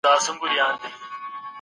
د انسان روح هغه ته ځانګړی ارزښت ورکوي.